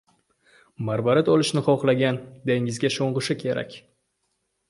• Marvarid olishni xohlagan dengizga sho‘ng‘ishi kerak.